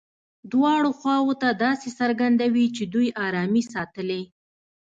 دواړو خواوو ته داسې څرګندوي چې دوی ارامي ساتلې.